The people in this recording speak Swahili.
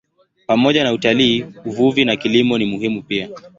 Pamoja na utalii, uvuvi na kilimo ni muhimu pia.